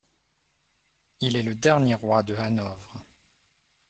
Il est le dernier roi de Hanovre.